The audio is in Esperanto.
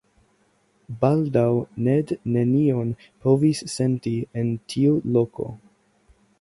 Baldaŭ Ned nenion povis senti en tiu loko.